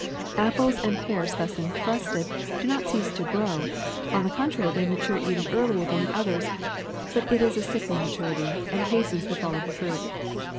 Apples and pears thus infested do not cease to grow; on the contrary they mature even earlier than the others, but it is a sickly maturity, and hastens the fall of the fruit.